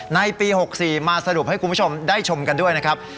ในปี๖๔มาสรุปให้คุณผู้ชมได้ชมกันด้วยนะครับ